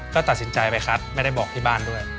ก็ตัดสินใจไปคัดไม่ได้บอกที่บ้านด้วย